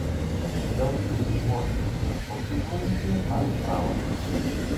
Выдаўцы, вытворцы i распаўсюджвальнiкi маюць права.